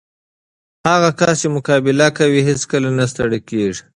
هغه کس چې مقابله کوي، هیڅکله نه ستړی کېږي.